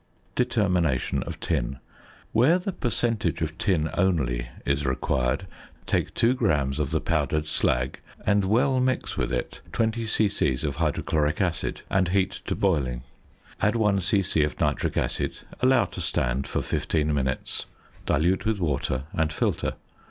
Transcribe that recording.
~Determination of Tin.~ Where the percentage of tin only is required, take 2 grams of the powdered slag and well mix with it 20 c.c. of hydrochloric acid, and heat to boiling. Add 1 c.c. of nitric acid, allow to stand for fifteen minutes, dilute with water, and filter.